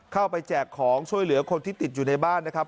แจกของช่วยเหลือคนที่ติดอยู่ในบ้านนะครับ